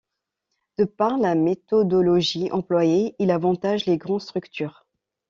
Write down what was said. De par la méthodologie employée, il avantage les grandes structures.